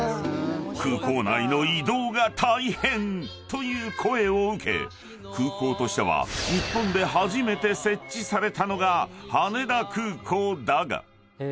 ［という声を受け空港としては日本で初めて設置されたのが羽田空港だが］